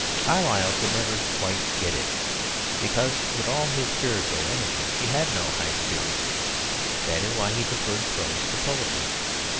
Carlyle could never quite get it, because with all his spiritual energy he had no high spirits. That is why he preferred prose to poetry.